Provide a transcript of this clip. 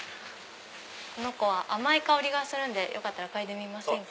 この子は甘い香りがするんでよかったら嗅いでみませんか。